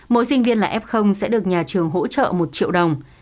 mỗi sinh viên là f sẽ được nhà trường hỗ trợ một triệu đồng